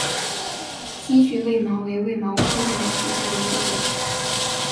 稀序卫矛为卫矛科卫矛属下的一个种。